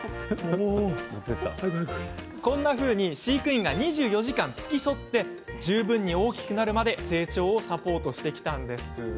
こんなふうに飼育員が２４時間付き添って十分に大きくなるまで成長をサポートしてきたんです。